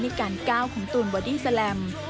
ในการก้าวของตุ่มวอดี้สแลม